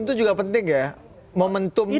itu juga penting ya momentum